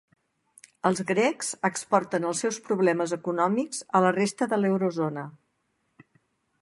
Els grecs exporten els seus problemes econòmics a la resta de l'Eurozona